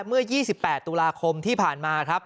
เมื่อ๒๘ตุลาคมที่ผ่านมาครับ